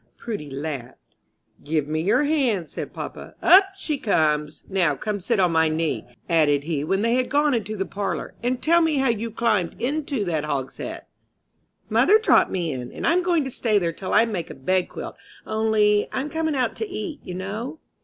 Prudy laughed. "Give me your hands," said papa. "Up she comes! Now, come sit on my knee," added he, when they had gone into the parlor, "and tell me how you climbed into that hogshead." "Mother dropped me in, and I'm going to stay there till I make a bedquilt, only I'm coming out to eat, you know."